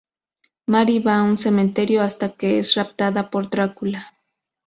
Mary va a un cementerio, hasta que es raptada por Drácula.